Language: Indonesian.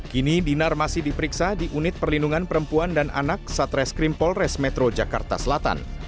kini dinar masih diperiksa di unit perlindungan perempuan dan anak satreskrim polres metro jakarta selatan